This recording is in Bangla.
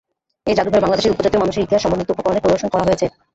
এই জাদুঘরে বাংলাদেশের উপজাতীয় মানুষের ইতিহাস সমন্বিত উপকরণের প্রদর্শন করা হয়েছে।